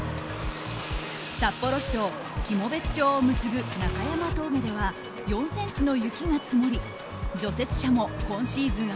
札幌市と喜茂別町を結ぶ中山峠では４ｃｍの雪が積もり除雪車も今シーズン